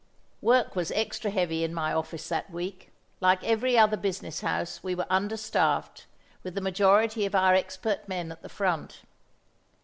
Work was extra heavy in my office that week. Like every other business house, we were understaffed, with the majority of our expert men at the front.